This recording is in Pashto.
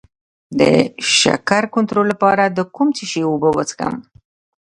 د شکر کنټرول لپاره د کوم شي اوبه وڅښم؟